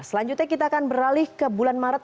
selanjutnya kita akan beralih ke bulan maret